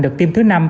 đợt tiêm thứ năm